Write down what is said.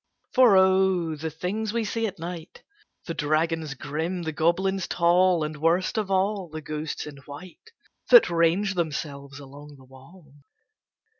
For O! the things we see at night The dragons grim, the goblins tall, And, worst of all, the ghosts in white That range themselves along the wall!